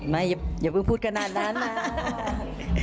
อย่าเพิ่งพูดขนาดนั้นนะ